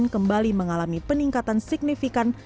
kembali mengalami peningkatan signifikan